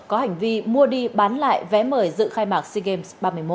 có hành vi mua đi bán lại vé mời dự khai mạc sea games ba mươi một